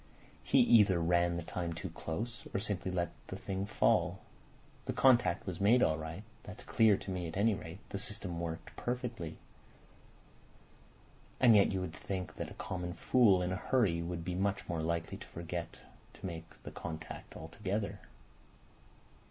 He either ran the time too close, or simply let the thing fall. The contact was made all right—that's clear to me at any rate. The system's worked perfectly. And yet you would think that a common fool in a hurry would be much more likely to forget to make the contact altogether.